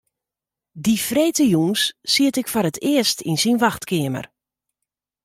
Dy freedtejûns siet ik foar it earst yn syn wachtkeamer.